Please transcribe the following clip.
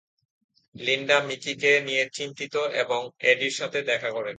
Linda মিকিকে নিয়ে চিন্তিত এবং এডির সাথে দেখা করে।